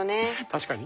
確かに。